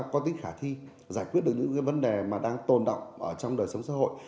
có tính khả thi giải quyết được những vấn đề mà đang tồn động ở trong đời sống xã hội